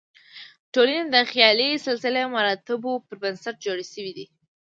ټولنې د خیالي سلسله مراتبو پر بنسټ جوړې شوې دي.